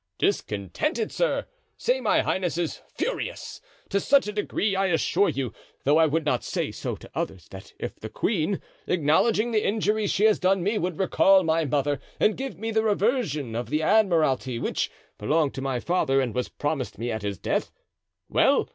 "Discontented, sir! say my highness is furious! To such a degree, I assure you, though I would not say so to others, that if the queen, acknowledging the injuries she has done me, would recall my mother and give me the reversion of the admiralty, which belonged to my father and was promised me at his death, well!